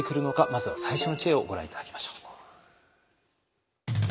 まずは最初の知恵をご覧頂きましょう。